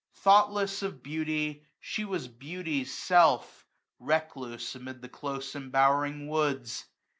Thoughtless of beauty, she was beauty's self. Recluse amid the close embowering woods.